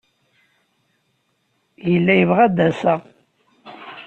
Yella yebɣa ad d-aseɣ.